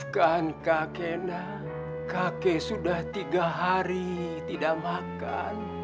kakek sudah tiga hari tidak makan